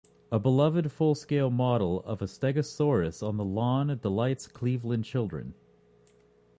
A beloved full-scale model of a "Stegosaurus" on the lawn delights Cleveland children.